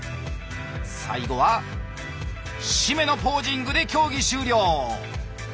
最後は締めのポージングで競技終了。